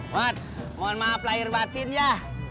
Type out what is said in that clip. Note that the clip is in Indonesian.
wat mohon maaf lahir batin ya